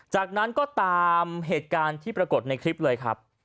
จากนั้นก็ตามเหตุการณ์ที่ปรากฏในคลิปเลยครับ